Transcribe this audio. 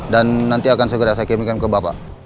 dan nanti akan segera saya kirimkan ke bapak